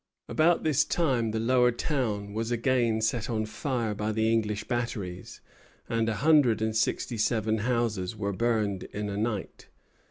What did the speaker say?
About this time the Lower Town was again set on fire by the English batteries, and a hundred and sixty seven houses were burned in a night.